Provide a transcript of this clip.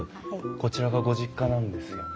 こちらがご実家なんですよね？